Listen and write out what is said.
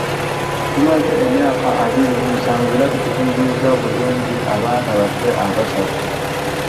Tumaze emyaka abiri mu musanvu era tukuzizza bulungi abaana baffe abasatu.